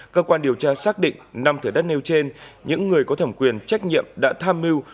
cơ quan điều tra xác định năm thửa đất nêu trên những người có thẩm quyền trách nhiệm đã tham mưu